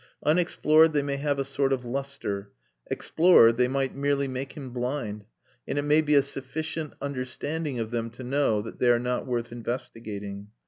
Unexplored they may have a sort of lustre, explored they might merely make him blind, and it may be a sufficient understanding of them to know that they are not worth investigating.